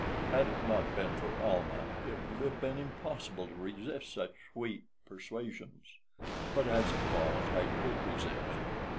Had it not been for Almah it would have been impossible to resist such sweet persuasions; but as it was I did resist.